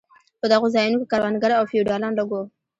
په دغو ځایو کې کروندګر او فیوډالان لږ وو.